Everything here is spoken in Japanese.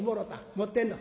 持ってんの？